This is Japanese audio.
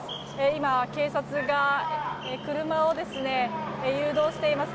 今、警察が車を誘導しています。